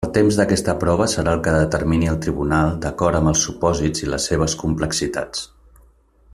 El temps d'aquesta prova serà el que determini el tribunal d'acord amb els supòsits i les seves complexitats.